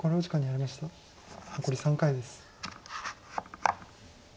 残り３回です。